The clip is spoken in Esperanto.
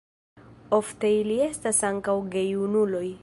Ofte ili estas ankaŭ gejunuloj.